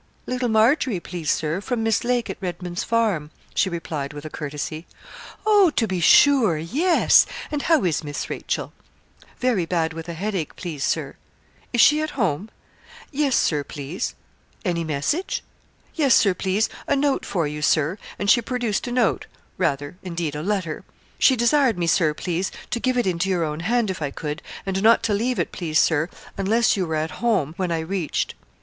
'Little Margery, please Sir, from Miss Lake at Redman's Farm,' she replied with a courtesy. 'Oh! to be sure, yes. And how is Miss Rachel?' 'Very bad with a headache, please, Sir.' 'Is she at home?' 'Yes, Sir, please.' 'Any message?' 'Yes, Sir, please a note for you, Sir;' and she produced a note, rather, indeed, a letter. 'She desired me, Sir, please, to give it into your own hand, if I could, and not to leave it, please, Sir, unless you were at home when I reached.'